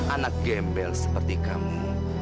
anak gembel seperti kamu